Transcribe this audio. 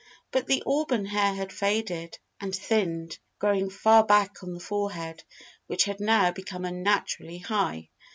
But the auburn hair had faded and thinned, growing far back on the forehead, which had now become unnaturally high.